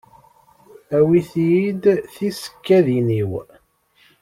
Awit-yi-d tisekkadin-iw.